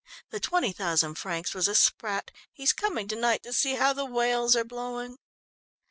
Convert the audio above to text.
The twenty thousand francs was a sprat he's coming to night to see how the whales are blowing!"